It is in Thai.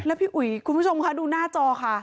พี่อุ๋ยคุณผู้ชมค่ะดูหน้าจอค่ะ